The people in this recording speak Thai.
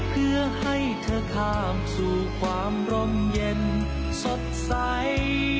เพื่อให้เธอข้ามสู่ความร่มเย็นสดใส